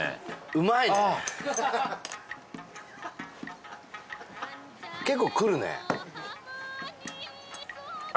うまいね結構くるねあ